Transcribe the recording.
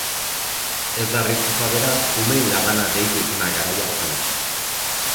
Ez da harritzekoa beraz umeen labana deitu izana garai hartan.